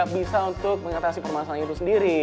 bisa untuk mengatasi permasalahan itu sendiri